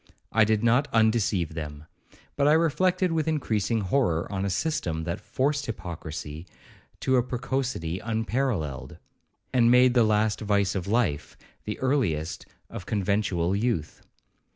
I did not undeceive them; but I reflected with increasing horror on a system that forced hypocracy to a precocity unparalleled, and made the last vice of life the earliest of conventual youth.